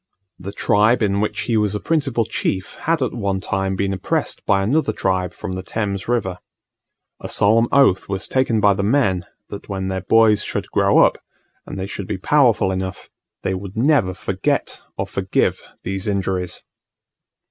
The tribe in which he was a principal chief had at one time been oppressed by another tribe from the Thames River. A solemn oath was taken by the men that when their boys should grow up, and they should be powerful enough, they would never forget or forgive these injuries.